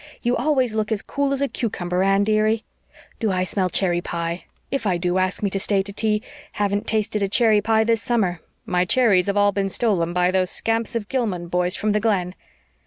"You always look as cool as a cucumber, Anne, dearie. Do I smell cherry pie? If I do, ask me to stay to tea. Haven't tasted a cherry pie this summer. My cherries have all been stolen by those scamps of Gilman boys from the Glen."